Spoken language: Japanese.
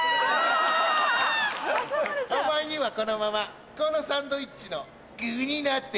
お前にはこのままこのサンドイッチの具になってもらう。